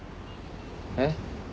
えっ？